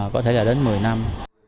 có thể là đến một mươi năm